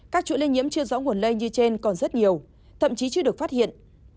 các chuỗi lây nhiễm chưa rõ nguồn lây như trên còn rất nhiều thậm chí chưa được phát hiện